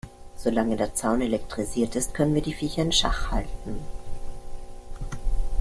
Solange der Zaun elektrisiert ist, können wir die Viecher in Schach halten.